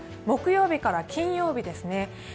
木曜日から金曜日ですね。